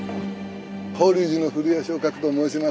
法隆寺の古谷正覚と申します。